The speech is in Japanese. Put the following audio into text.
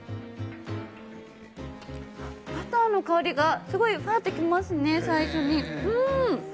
バターの香りがすごいふわっときますね、最初に。